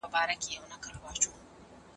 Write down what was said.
آيا ښځه بايد تر نفاس وروسته غسل وکړي؟